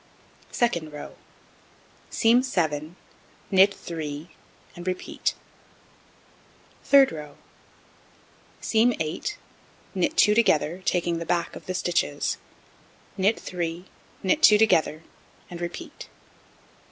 Second row: Seam 7, knit 3, and repeat. Third row: Seam 8, knit 2 together, taking the back of the stitches, knit 3, knit 2 together, and repeat.